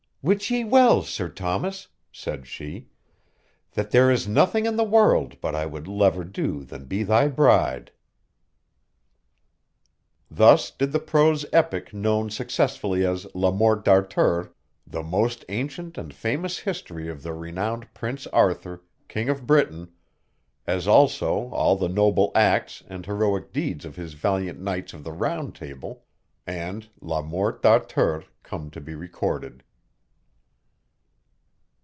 "Wit ye well, Sir Thomas," said she, "that there is nothing in the world but I would lever do than be thy bride!" _Thus did the prose epic known successively as "La Mort d'Arthur," THE MOST ANCIENT AND FAMOUS HISTORY OF THE RENOWNED PRINCE ARTHUR, KING OF BRITAINE, AS ALSO, ALL THE NOBLE ACTS, AND HEROICKE DEEDS OF HIS VALIANT KNIGHTS OF THE ROUND TABLE, and "Le Morte d'Arthur" come to be recorded.